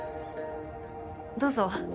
どうぞ。